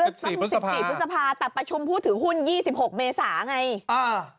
๑๔ทุนสภาแต่ประชุมผู้ถือหุ้น๒๖เมษาไงอ้าว